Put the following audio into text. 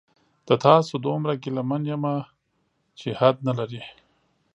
د تاسو دومره ګیله من یمه چې حد نلري